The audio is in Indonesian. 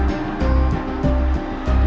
di kota alam